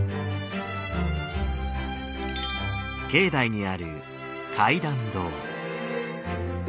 境内にある戒壇堂。